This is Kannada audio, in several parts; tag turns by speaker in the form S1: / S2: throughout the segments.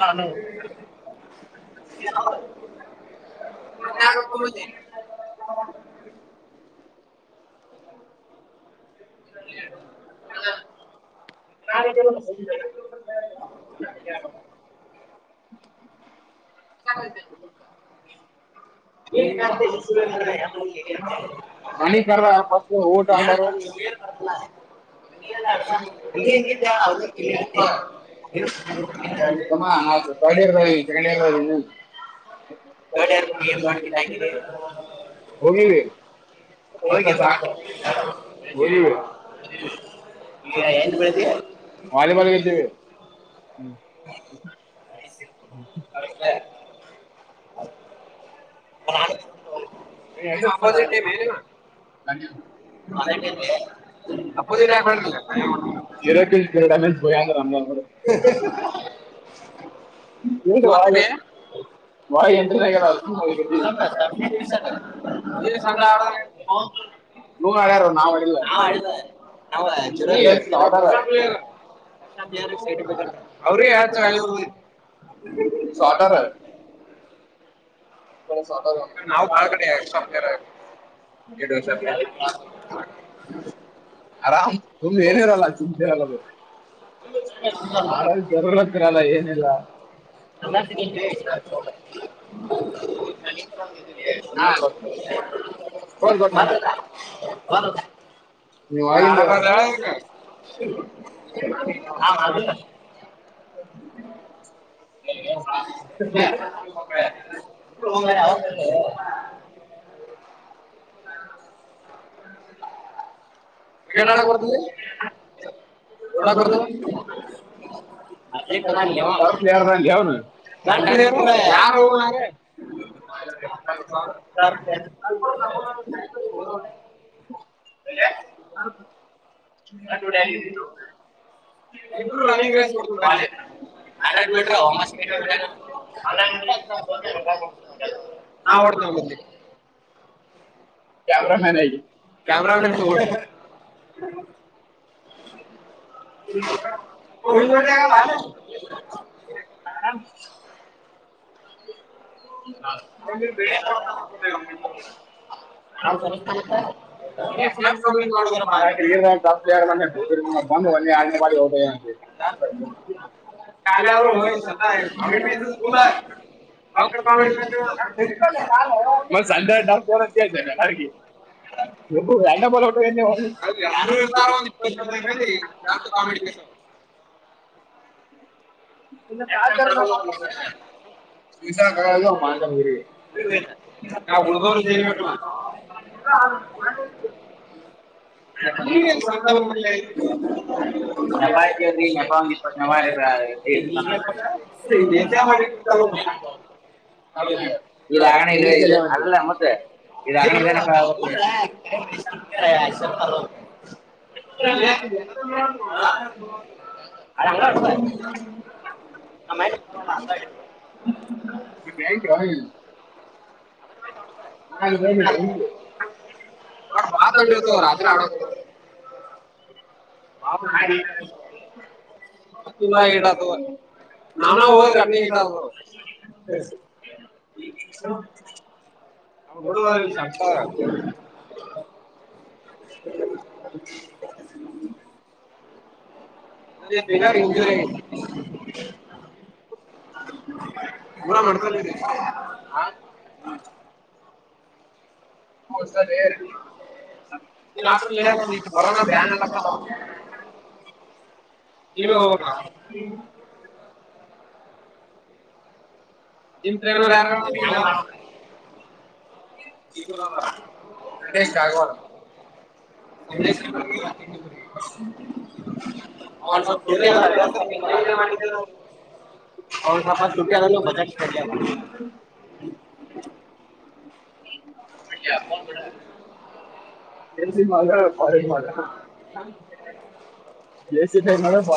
S1: ಹಾನ [inaudible]
S2: ನಾಗ ಗಮುತ್ತ [inaudible]
S1: [inaudible] [inaudible] [inaudible] ಹ [unintelligible]
S2: [inaudible] [unintelligible] ಕೊಲ [inaudible]
S1: [inaudible] ಬರ್ತಡೇ ಬಾಯ್ ಸೆಕಂಡ್ ಇಯರ್ದ ಅಲ್ವಾ ನೀನು.
S2: ಗಡ್ಯಾರ ಏನ್ ಮಾಡ್ಕಿಾಕಿದ [unintelligible] ಹೋಗೋಗಿಂತ [inaudible] ಎಲ್ ಬೆಳಿದಿ, ಹಲ್ಲ [inaudible] ಹ [inaudible]
S1: ಅ [unintelligible]
S2: ಮಂದಟ [unintelligible]
S1: ಎರಟ ಕರಡ ಅಮ ಭಂದ ರಮನರ [unintelligible]
S2: ಹ [inaudible] ತೋತೀರ [unintelligible] ಇಲ್ಲಿ ಸಂಗ್ರ [inaudible] ಹ ಅ [inaudible] ಅವ್ರಿಯ [unintelligible] ಸ್ [unintelligible] [inaudible]
S1: ನಾ ಮಾಡಾರ [inaudible] ಆರಾಮ, ತುಂಬ್ ಏನ ಇರಲ್ಲ ಚಿಂತ್ ಇರಲ್ಲ ಅದು ಜರರ ಹತ್ತರಲ್ಲ [unintelligible] ಏನಿಲ್ಲ
S2: [inaudible] [inaudible]
S1: ನೀ ಒಳಗಿಂದ, [inaudible]
S2: ಇತ್ತೊ ಮಾರಾಯ ಅವನಬಲ್ಲಿ.
S1: ಹ [inaudible]
S2: ಕ್ರಿಕೆಟ್ ಆಡಕ ಬರತದಲೆ ನೋಡು ಬರ್ತದ. ಎದ ಅಲ್ ಯಾರಾರ [unintelligible] [inaudible]
S1: ಅ ಅ [inaudible]
S2: ಇ ರಸ್ ಕೊಡ್ತೆ [unintelligible] ಆರ ಮಟ್ರ ಹಮಾಸ ಕೆ ಮಾಡಟ [unintelligible] ಹಾವಡ್ಕ ಬಂದ್ವಿ ಕ್ಯಾಮರ [inaudible] ಮ
S1: [inaudible] [inaudible]
S2: ಹಾಂತನತ [inaudible] [inaudible] ನೀ ಸ್ಟ ಕಂಪ್ಲೀಂಟ್ ಮಾಡದ್ರಪ್ಪ ಅಲ್ಲ ಅವರು [inaudible] ಹ ಸದ ಹುಲ್ಲ [inaudible] ಹೊತ್ತ ಕ [inaudible] ಅ ಇಪ್ಪ ಕಾಮಿಡಿ [inaudible]
S1: ಇನ್ನು ಚಾರ್ [inaudible] [inaudible] ಸ ಮಾರಿ [inaudible]
S2: [inaudible] ಸಂತವರ [inaudible] [inaudible] ಮಾಡಿ [inaudible] [inaudible]
S1: [inaudible]
S2: [unintelligible] [inaudible] ಆಂಗತ ಆಮೇ
S1: ಮ ಯಐ ರಹ [inaudible] [inaudible]
S2: ಆಡೋದು [inaudible] ಡದು
S1: ನಾವ ನ ಹೋಗ [inaudible]
S2: [inaudible] ಅವ ಕಡವ ಸಪ್ಪಾಗ [inaudible] [inaudible] ಬೆನ್ನಾರ ಇಂಜುರಿ ಊರ ಮಾಡ್ಕೊಂಡರಿ [inaudible]
S1: ಹೌಸ ದೇರ್ ಆಸರೋ ಬ [inaudible] ಇಗ ಹೋಬಕ ಇಂತ್ ಏನ [inaudible] ಯಾರಾರ ಷ್ಟ ಜಗವ [unintelligible] [inaudible]
S2: ಅವರ್ [inaudible]
S1: ಮಾಡ [unintelligible] [inaudible]
S2: ಅವಪ ುಟಿಯ ನಲ್ಲ ಬ
S1: ಎಸ ಮಾ ಕಾಲೇಜ್ ಮಾ ಜಸನ ಸ್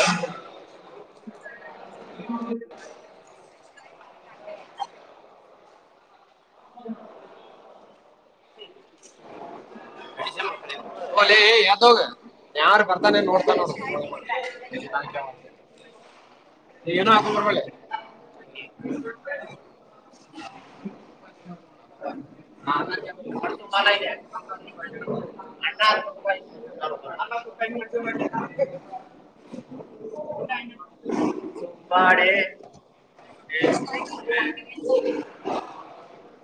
S2: [inaudible]
S1: [inaudible]
S2: [inaudible]
S1: [inaudible] ನೋಡಿ ಇ ಯಾರ ಬರ್ತಾರೆ [inaudible]
S2: ಏನ ಹಾಕಬಡ್ಬಳೆ
S1: [inaudible] ಹ [inaudible]
S2: [inaudible]
S1: [inaudible]
S2: ಆಡೆ
S1: ಹ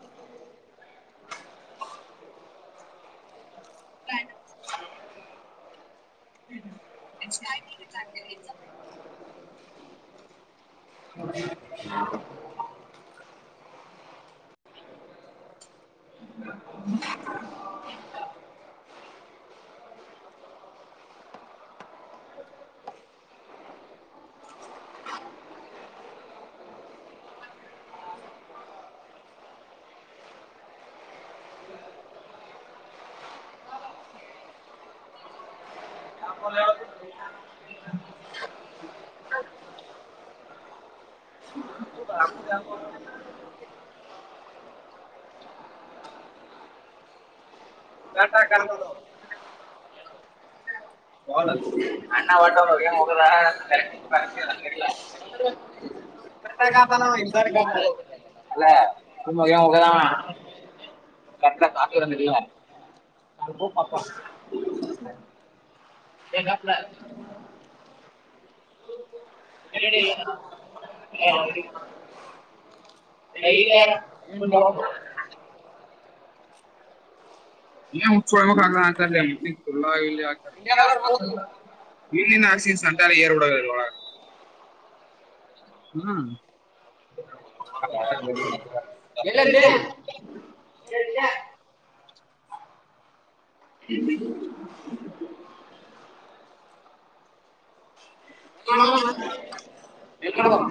S1: [unintelligible]
S2: ಹ
S1: [unintelligible] ಹ [unintelligible]
S2: [unintelligible]
S1: [unintelligible] ಹ
S2: [unintelligible]
S1: ಯಾಕ ಕರೆದರೆ ಅಣ್ಣ ಹೋಗ [unintelligible] ಅಲ್ಲೋಗದ ಕಕ್ ಕಾಕಡಂದ
S2: ಅಬ ಪಪ್ಪ
S1: ಎಗಪ್ ಇಲ್ಲ ಇಲ್ಲ
S2: ಯ ಹಲೋಕ
S1: ಳ ಆಚ ತ ಆ ಮನಿನ ಆಕ್ಸಿ ಸಂಟಾಲಏರ್ಬಡ ಹ್ಮ ಹ [inaudible]
S2: ಎಲ್ಲಿದಿಲೇ
S1: ಎಲ್ಲ [inaudible] [unintelligible]
S2: ಹ [unintelligible] ಎಳ್ ಕಡೆ ಬ [inaudible]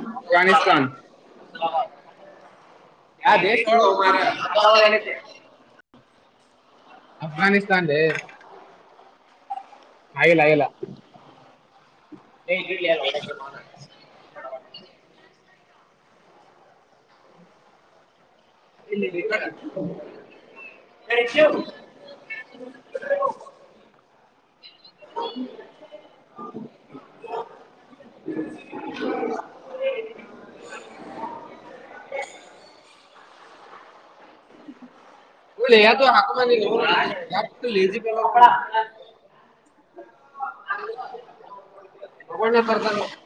S2: ಯ ದೇಶ ಮಾಡಾರ
S1: ಅಫಘಾನಿಸ್ತಾನ್ ಆಗಿಲ್ಲ ಆಗಿಲ್ ಹ [inaudible] ಇ [inaudible]
S2: [unintelligible]
S1: ಹ್ಮ [inaudible] ಹ [inaudible]
S2: [unintelligible]
S1: ಯ ರೋ [unintelligible] [unintelligible]
S2: ಒಣೆ ಪರ್ತಗೆ [inaudible]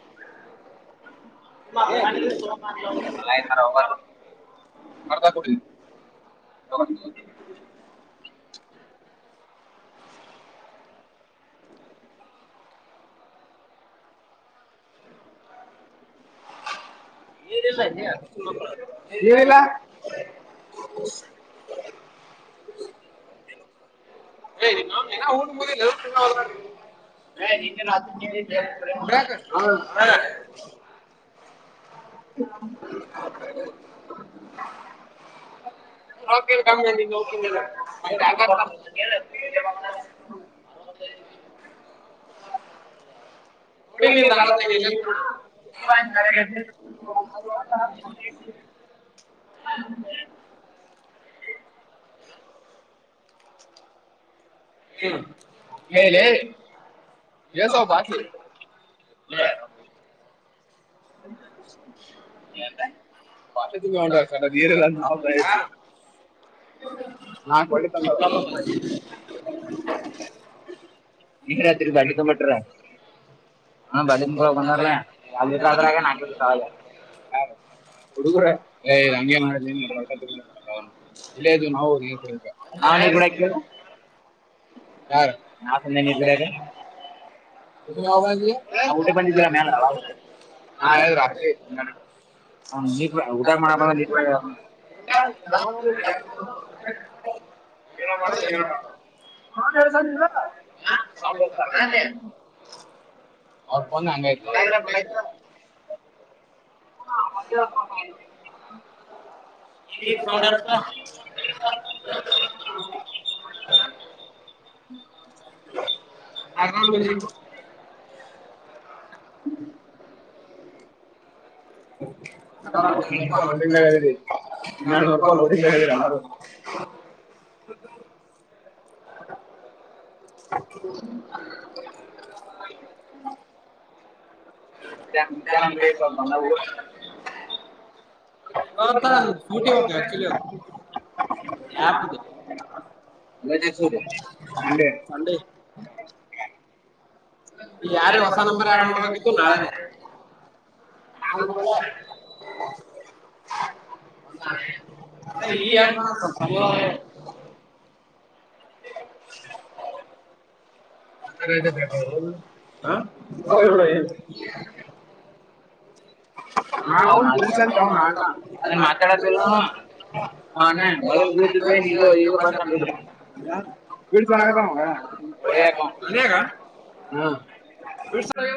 S1: ಮಾರ [inaudible] ಅರ್ದಾ ಕೊಡಿ
S2: [unintelligible]
S1: [unintelligible] ಹ ಹ ಗ ರ [inaudible]
S2: ಬ್ರ ಹ [inaudible] [unintelligible]
S1: ಕ [inaudible]
S2: [unintelligible]
S1: ಸ ನ [unintelligible] [unintelligible]
S2: [unintelligible] ಹ್ಮ್ ಹ [inaudible]
S1: ಏಸು ಬಾಟ್ಲಿ
S2: [unintelligible]
S1: [unintelligible] ಬಾೆ ತುಿ ಅವಟರೆ ಎಲ್ಲ ನಾಾವ ಬ [inaudible] ನಾ [inaudible]
S2: ಲಲ್ಲ ಭ [inaudible]
S1: ನೀ ರಾತ್ರಿ ಬಡಿತ ಬಿಟರ ಹ ಬಡಿತ ಪ ಬಂದರ ಯಲಿತ್ರ ನಕ ಸ [inaudible] ಕೊಡುಕರ ್ದು ಅಂಗ ಮಾಡ ನಲ್ಲ [inaudible] ಇದು ನಾವುಬೇಕ ನಾವಡ [inaudible] ಡ ಊಟ ಬಂದಿದ್ದೀರ ಮ [inaudible] ನಾಯು ರಾತ್ರಿ ಊಟ ಮಾಡ ಕ [unintelligible] ಮಾಡ ನನ್ ಎರಡ್ ಸ ಇರ [inaudible] ಹಾತದ [inaudible] ಅವ್ರ ಬಂದ ಹಂಗ ಹ [inaudible] ಹ ಎಲ್ಲ [inaudible]
S2: ಆನ್ನ ಬ
S1: ೋಡಿಿಂದರಿೂಪ ಡಿದ ಅನ್ನು [unintelligible] ಹ್ಮ್ ನಂಗಿ ಇವತ್ತೂಟಿ ಹ ಮದಾ ಸರಿ [unintelligible]
S2: ಅಂಡೇ
S1: ಯಾರೆ ವತನ ಕ ಆ ನಾವ ನ ಬಂದ ಈ ಯ ಅ ನಾ ಅ ಸ ಅವ ನ್ಣ ಅದನ್ ಮಾತಾಡದ ಹಾನ ಮೊದಲ್ ದ ಇಗ ಪ ಬಿಡರ ಹಾ ಪಳಿಯ ಕ ಹ್ಮ